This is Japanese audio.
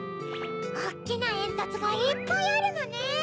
おっきなえんとつがいっぱいあるのね。